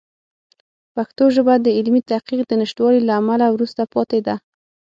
پښتو ژبه د علمي تحقیق د نشتوالي له امله وروسته پاتې ده.